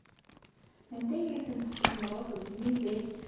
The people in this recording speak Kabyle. Anda ay tent-tsemmṛeḍ deg umidag?